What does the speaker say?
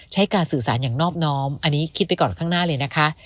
การสื่อสารอย่างนอบน้อมอันนี้คิดไปก่อนข้างหน้าเลยนะคะ